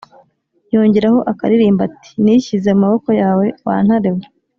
yongeraho akaririmbo ati "nishyize mu maboko yawe wa ntare we!